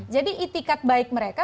jadi itikat baik mereka